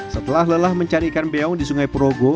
setelah lelah mencari ikan beong di sungai perogo